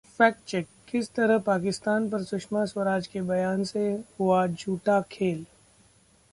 fact check: किस तरह पाकिस्तान पर सुषमा स्वराज के बयान से हुआ झूठा खेल